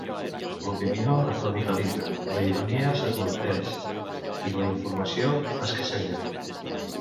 L'opinió es radicalitza, la ironia s'esmorteeix i la informació escasseja.